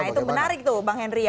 nah itu menarik tuh bang henry ya